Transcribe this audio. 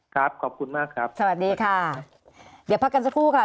ขอบคุณมากครับสวัสดีค่ะเดี๋ยวพักกันสักครู่ค่ะ